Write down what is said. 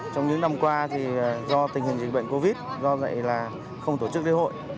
trong những năm qua do tình hình dịch bệnh covid do vậy không tổ chức lễ hội